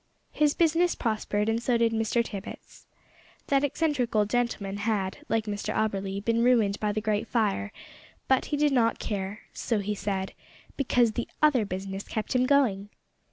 His business prospered and so did Mr Tippet's. That eccentric old gentleman had, like Mr Auberly, been ruined by the great fire, but he did not care so he said because the other business kept him going!